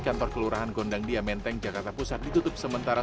kantor kelurahan gondangdia menteng jakarta pusat ditutup sementara